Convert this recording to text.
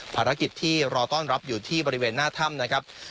ภารกิจที่รอต้อนรับอยู่ที่บริเวณหน้าถ้ำนะครับ